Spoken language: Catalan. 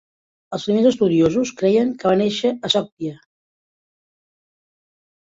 Els primers estudiosos creien que va néixer a Sogdia.